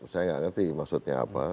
saya tidak mengerti maksudnya apa